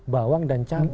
bawang dan cabai